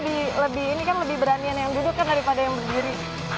lebih ini kan lebih beranian yang duduk kan daripada yang berdiri